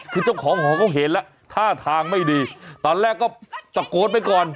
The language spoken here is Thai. คือเจ้าของหอเขาเห็นแล้วท่าทางไม่ดีตอนแรกก็ตะโกนไปก่อน